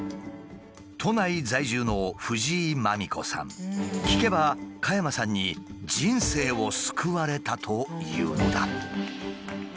都内在住の聞けば加山さんに人生を救われたというのだ。